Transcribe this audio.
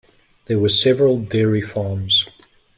There were several dairy farms.